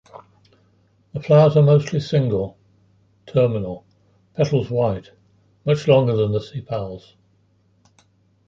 The flowers are mostly single, terminal, petals white, much longer than the sepals.